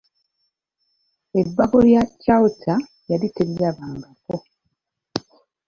Ebbago lya Chalter yali talirabangako.